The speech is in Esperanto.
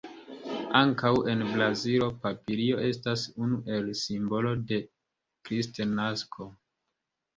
Ankaŭ en Brazilo papilio estas unu el simbolo de kristnasko.